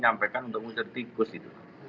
di sampaikan untuk musim tikus itu